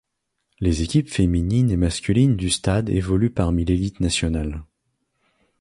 Les équipes féminines et masculines du Stade évoluent parmi l'élite nationale.